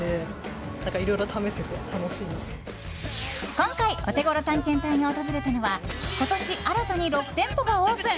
今回、オテゴロ探検隊が訪れたのは今年新たに６店舗がオープン。